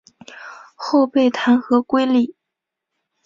后被弹劾归里。